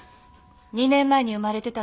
２年前に生まれてたのよ